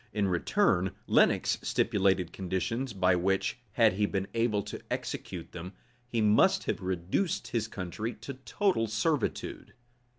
In return, Lenox stipulated conditions, by which, had he been able to execute them, he must have reduced his country to total servitude.